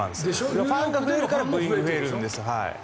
ファンが増えるからブーイングが増えるんです。